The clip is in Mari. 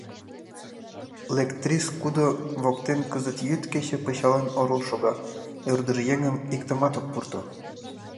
«Лектрис кудо» воктен кызыт йӱд-кече пычалан орол шога, ӧрдыж еҥым иктымат ок пурто.